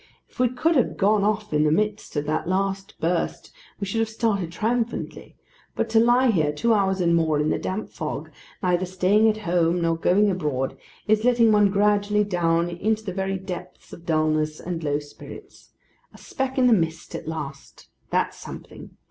If we could have gone off in the midst of that last burst, we should have started triumphantly: but to lie here, two hours and more in the damp fog, neither staying at home nor going abroad, is letting one gradually down into the very depths of dulness and low spirits. A speck in the mist, at last! That's something.